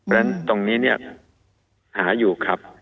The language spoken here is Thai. แล้วตรงนี้เนี่ยหาอยู่ครับ